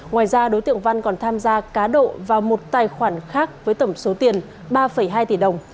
ngoài ra đối tượng văn còn tham gia cá độ vào một tài khoản khác với tổng số tiền ba hai tỷ đồng